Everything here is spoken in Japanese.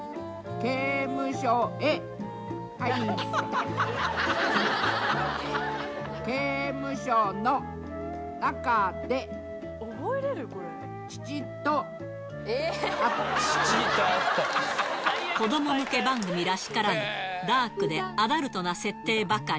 けいむしょのなかで、子ども向け番組らしからぬ、ダークでアダルトな設定ばかり。